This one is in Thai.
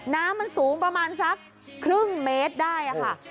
น้ำมันสูงประมาณสักครึ่งเมตรได้ค่ะ